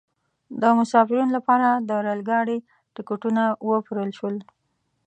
د مسافرینو لپاره د ریل ګاډي ټکټونه وپیرل شول.